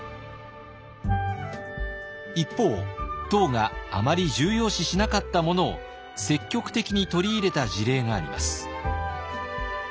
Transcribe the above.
一方唐があまり重要視しなかったものを積極的に取り入れた事例があります。